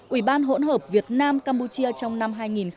ủy ban hỗn hợp việt nam campuchia trong năm hai nghìn một mươi chín